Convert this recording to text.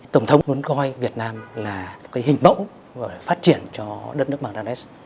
tổng thống luôn coi việt nam là cái hình mẫu phát triển cho đất nước bangladesh